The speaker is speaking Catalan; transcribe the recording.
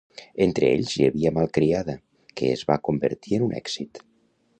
Entre ells hi havia "Malcriada", que es va convertir en un èxit.